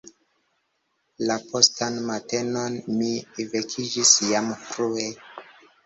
La postan matenon mi vekiĝis jam frue.